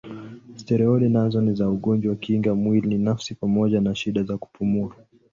Steroidi nazo ni za ugonjwa kinga mwili nafsi pamoja na shida za kupumua.